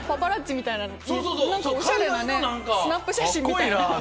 おしゃれなスナップ写真みたいな。